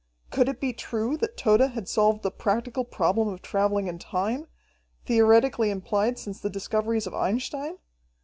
Could it be true that Tode had solved the practical problem of traveling in time, theoretically implied since the discoveries of Einstein?